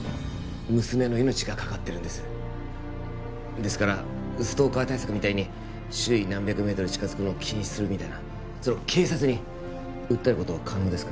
娘の命がかかってるんですですからストーカー対策みたいに周囲何百メートルに近づくのを禁止するみたいなそれを警察に訴えることは可能ですか？